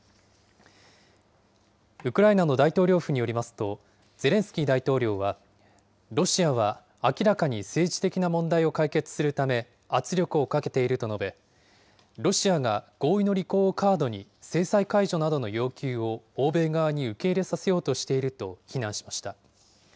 ウクライナの大統領府によりますと、ゼレンスキー大統領は、ロシアは明らかに政治的な問題を解決するため、圧力をかけていると述べ、ロシアが合意の履行をカードに制裁解除などの要求を欧米側に受け入れさせようとしていると非難しました。